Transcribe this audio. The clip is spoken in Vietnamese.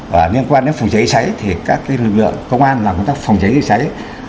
và liên quan đến phòng chế hệ cháy thì các lực lượng công an làm công tác phòng chế hệ cháy